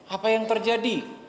apa yang terjadi